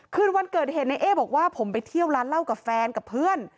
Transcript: คืนวันเกิดเหตุในเอ๊บอกว่าผมไปเที่ยวร้านเหล้ากับแฟนกับเพื่อน